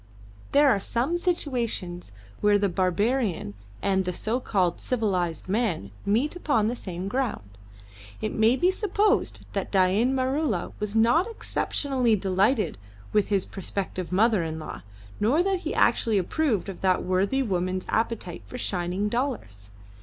There are some situations where the barbarian and the, so called, civilised man meet upon the same ground. It may be supposed that Dain Maroola was not exceptionally delighted with his prospective mother in law, nor that he actually approved of that worthy woman's appetite for shining dollars.